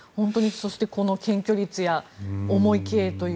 そしてこの検挙率や重い刑という。